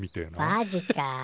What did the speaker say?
マジか。